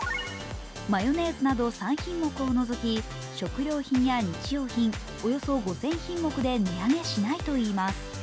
マヨネーズなど３品目を除き食料品や日用品、およそ５０００品目で値上げしないといいます。